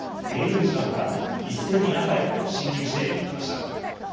出入り口などから一斉に中へと侵入していきました。